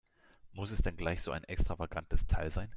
Muss es denn gleich so ein extravagantes Teil sein?